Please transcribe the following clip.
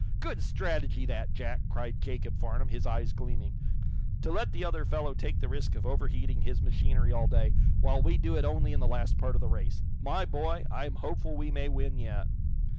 "Good strategy, that, Jack!" cried Jacob Farnum, his eyes gleaming. "To let the other fellow take the risk of overheating his machinery all day, while we do it only in the last part of the race. My boy, I'm hopeful we may win yet."